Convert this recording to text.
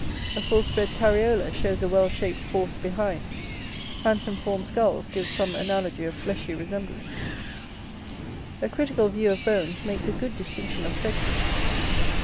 A full spread cariola shows a well shaped horse behind; handsome formed skulls give some analogy of fleshy resemblance. A critical view of bones makes a good distinction of sexes.